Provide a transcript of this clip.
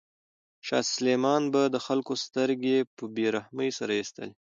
شاه سلیمان به د خلکو سترګې په بې رحمۍ سره ایستلې.